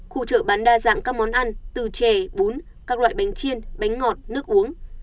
khu chợ bán đa dạng các món ăn từ chè bún các loại bánh chiên bánh ngọt nước uống